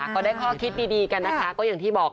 ก็ได้ข้อคิดดีกันนะคะก็อย่างที่บอก